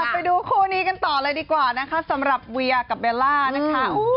ไปดูคู่นี้กันต่อเลยดีกว่านะคะสำหรับเวียกับเบลล่านะคะ